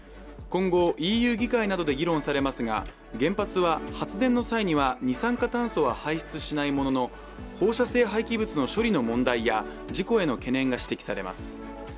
今後、ＥＵ議会などで議論されますが、原発は発電の際には、二酸化炭素は排出しないものの、放射性廃棄物の処理の問題や事故への懸念が指摘されます。